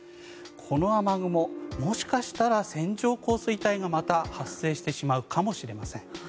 この雨雲、もしかしたら線状降水帯がまた発生してしまうかもしれません。